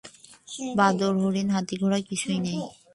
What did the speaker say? বাদর, হরিণ, হাতি ঘোড়া কিছু নেই।